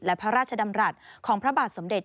และพระราชดำรัฐของพระบาทสมเด็จ